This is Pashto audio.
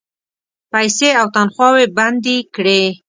پیسې او تنخواوې بندي کړې.